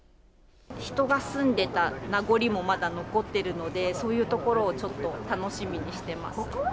人が住んでた名残もまだ残ってるので、そういうところをちょっと楽しみにしてます。